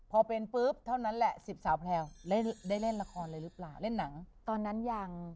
พอเป็นปุ๊บเท่านั้นแหละ๑๐สาวแพลวได้เล่นละครอะไรรึเปล่าเล่นหนัง